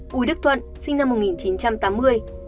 bùi đức thuận sinh năm một nghìn chín trăm tám mươi